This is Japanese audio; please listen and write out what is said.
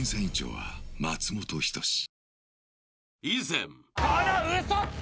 ［以前］